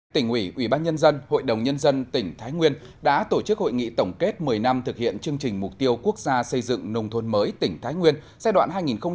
tỉnh ủy ủy ban nhân dân hội đồng nhân dân tỉnh thái nguyên đã tổ chức hội nghị tổng kết một mươi năm thực hiện chương trình mục tiêu quốc gia xây dựng nông thôn mới tỉnh thái nguyên giai đoạn hai nghìn một mươi sáu hai nghìn hai mươi